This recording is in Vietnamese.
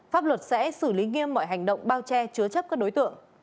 pháp luật sẽ xử lý nghiêm mọi hành động bao che chứa chấp các đối tượng